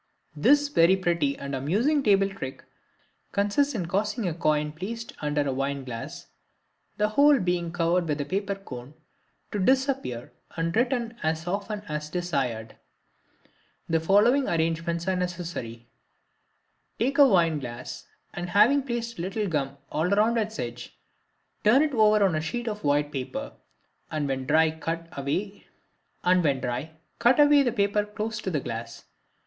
—This very pretty and amusing table trick consists in causing a coin placed under a wine glass, the whole being covered with a paper cone, to disappear and return as often as desired. The following arrangements are necessary: Take a wine glass, and, having placed a little gum all round its edge, turn it over on a sheet of white paper, and when dry cut away the paper close to the glass.